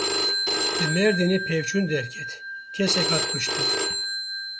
Li Mêrdînê pevçûn derket, kesek hat kuştin.